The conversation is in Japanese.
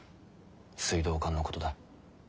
水道管のことだ。